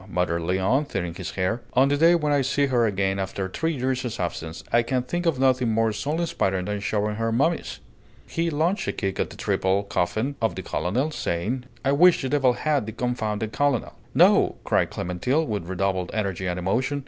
muttered Léon, tearing his hair. "On the day when I see her again after three years' absence, I can think of nothing more soul inspiring than showing her mummies!" He launched a kick at the triple coffin of the colonel, saying, "I wish the devil had the confounded colonel!" "No!" cried Clémentine, with redoubled energy and emotion.